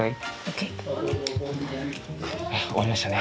終わりましたね。